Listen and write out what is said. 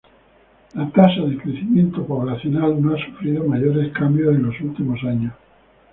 La tasa de crecimiento poblacional no ha sufrido mayores cambios en los últimos años.